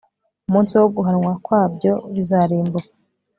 umunsi wo guhanwa kwabyo bizarimbuka